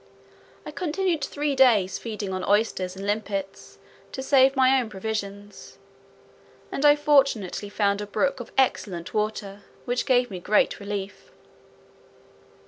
I continued three days feeding on oysters and limpets, to save my own provisions; and I fortunately found a brook of excellent water, which gave me great relief.